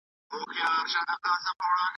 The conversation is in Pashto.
د محصل پوښتنې بې ځوابه نه پرېښودل کېږي.